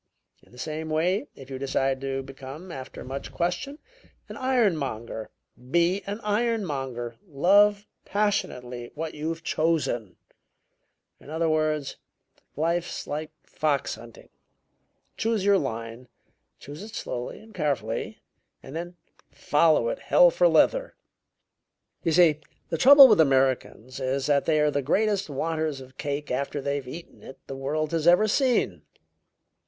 In the same way, if you decide to become, after much question, an ironmonger, be an ironmonger. Love passionately what you've chosen. In other words, life's like fox hunting; choose your line, choose it slowly and carefully, then follow it 'hell for leather.' "You see, the trouble with Americans is that they are the greatest wanters of cake after they've eaten it the world has ever seen.